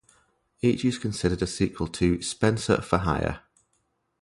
Each is considered a sequel to "Spenser: For Hire".